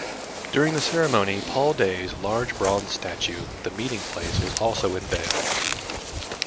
During the ceremony, Paul Day's large bronze statue "The Meeting Place" was also unveiled.